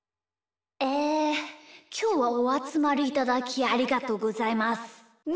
えきょうはおあつまりいただきありがとうございます。